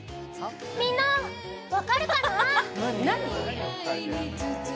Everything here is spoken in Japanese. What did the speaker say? みんな、分かるかな？